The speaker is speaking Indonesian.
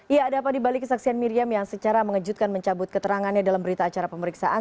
ya ada apa dibalik kesaksian miriam yang secara mengejutkan mencabut keterangannya dalam berita acara pemeriksaan